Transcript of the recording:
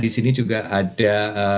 disini juga ada